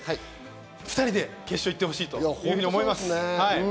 ２人で決勝に行ってほしいと思います。